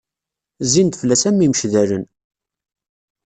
Zzin-d fell-as imceddalen.